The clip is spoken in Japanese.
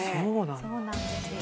そうなんですよ。